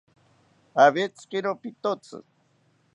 Awetzikiro pitotzi